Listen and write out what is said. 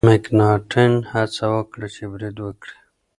مکناتن هڅه وکړه چې برید وکړي.